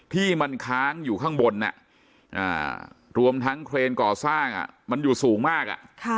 ที่มันค้างอยู่ข้างบนรวมทั้งเครนก่อสร้างมันอยู่สูงมาก